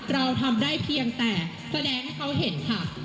เราทำได้เพียงแต่แสดงให้เขาเห็นค่ะ